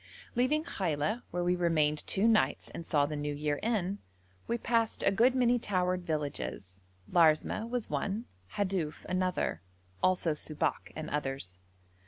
Leaving Khaila, where we remained two nights and saw the New Year in, we passed a good many towered villages: Larsmeh was one, Hadouf another, also Subak and others.